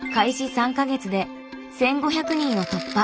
３か月で１５００人を突破。